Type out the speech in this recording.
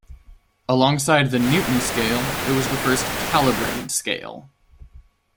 Alongside the Newton scale, it was the first "calibrated" scale.